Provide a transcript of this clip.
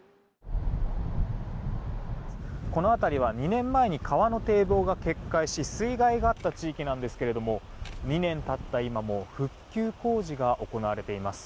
この辺りは２年前に川の堤防が決壊し水害があった地域なんですけれども２年経った今も復旧工事が行われています。